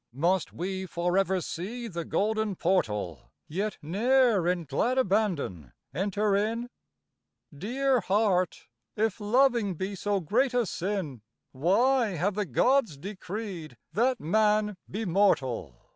Must we for ever see the golden portal Yet ne'er in glad abandon enter in? Dear heart, if loving be so great a sin Why have the gods decreed that man be mortal!